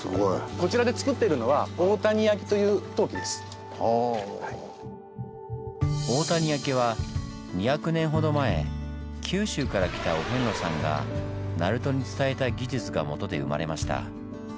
こちらでつくってるのは大谷焼は２００年ほど前九州から来たお遍路さんが鳴門に伝えた技術がもとで生まれました。